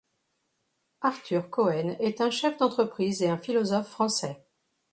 Arthur Cohen est un chef d'entreprise et un philosophe français.